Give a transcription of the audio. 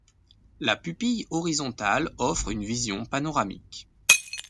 La pupille horizontale offre une vision panoramique.